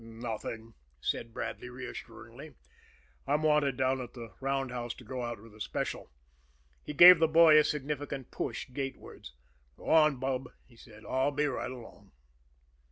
"Nothing," said Bradley reassuringly. "I'm wanted down at the roundhouse to go out with a special." He gave the boy a significant push gatewards. "Go on, bub," he said. "I'll be right along."